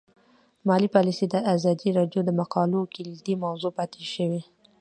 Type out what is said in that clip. مالي پالیسي د ازادي راډیو د مقالو کلیدي موضوع پاتې شوی.